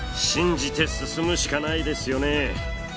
信じて進むしかないですよね。